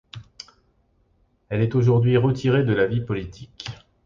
Elle est aujourd'hui retirée de la vie politique.